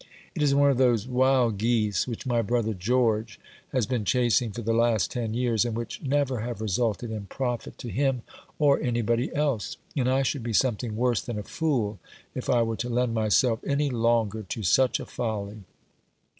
It is one of those wild geese which my brother George has been chasing for the last ten years, and which never have resulted in profit to him or anybody else; and I should be something worse than a fool if I were to lend myself any longer to such a folly."